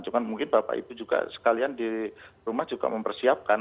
cuma mungkin bapak ibu juga sekalian di rumah juga mempersiapkan